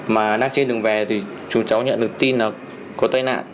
mà đang trên đường về thì chủ cháu nhận được tin là có tai nạn